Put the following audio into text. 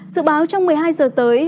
dự báo trong một mươi hai h tới